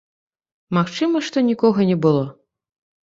Магчыма, што нікога не было.